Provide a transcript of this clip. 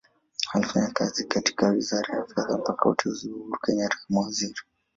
Alifanya kazi katika Wizara ya Fedha mpaka uteuzi wa Uhuru Kenyatta kama Waziri.